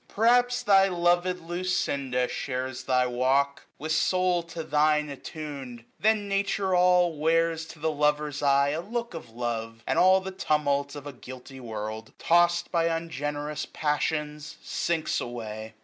Perhaps thy lov'd Lucinda shares thy walk. With soul to thine attunM. Then Nature all Wears to the lover's eye a look of love ; g^S And all the tumult of a guilty world. Tost by ungenerous passions, sinks away.